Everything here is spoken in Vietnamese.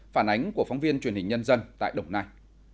phản ánh của phóng viên truyền hình nhân dân tại đồng nai